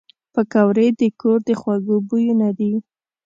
پکورې د کور د خوږو بویونه دي